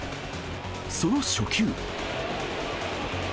その初球。